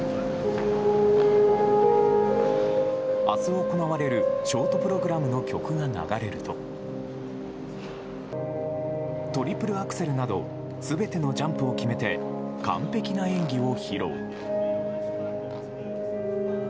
明日行われるショートプログラムの曲が流れるとトリプルアクセルなど全てのジャンプを決めて完璧な演技を披露。